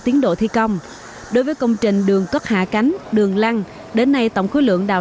tiến độ thi công đối với công trình đường cất hạ cánh đường lăng đến nay tổng khối lượng đào